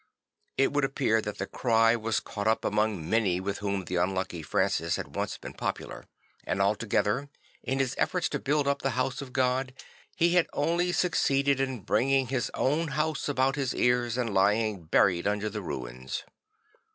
It would appear that the cry was caught up among many with whom the unlucky Francis had once been popular; and altogether, in his efforts to build up the house of God he had only succeeded in bringing his own house about his ears and lying buried under the ruins.